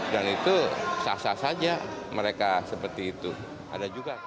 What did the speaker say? dan itu sah sah saja mereka seperti itu